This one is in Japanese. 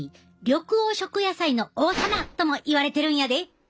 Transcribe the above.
緑黄色野菜の王様ともいわれてるんやで。